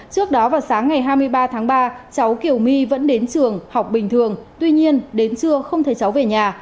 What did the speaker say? trước đó vào sáng ngày hai mươi ba tháng ba cháu kiều my vẫn đến trường học bình thường tuy nhiên đến trưa không thấy cháu về nhà